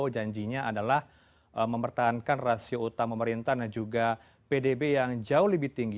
janjinya adalah mempertahankan rasio utang pemerintah dan juga pdb yang jauh lebih tinggi